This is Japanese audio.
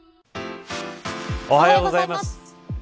おはようございます。